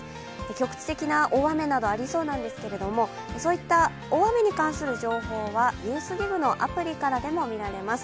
局地的な大雨などありそうなんですけれどもそういった大雨に関する情報は「ＮＥＷＳＤＩＧ」のアプリからでも見られます。